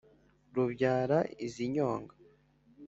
rubyara izi nyonga